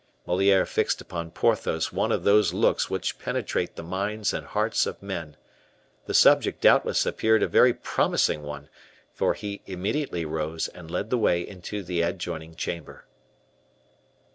Moliere fixed upon Porthos one of those looks which penetrate the minds and hearts of men. The subject doubtless appeared a very promising one, for he immediately rose and led the way into the adjoining chamber.